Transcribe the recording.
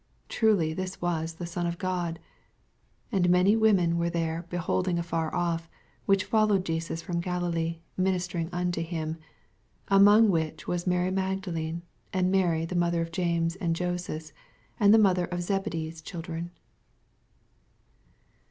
Truly this was the on of God. 55 And many women were there beholding afar off, which followed Jesus from Galilee, ministering unto him: 56 Among which was Mary Mag dalene, and Mary the mother of James and Joses, and the mother of 2iebe dee^s chilchren.